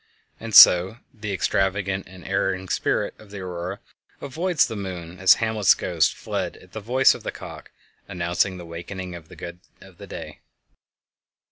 And so "the extravagant and erring spirit" of the Aurora avoids the moon as Hamlet's ghost fled at the voice of the cock announcing the awakening of the god of day.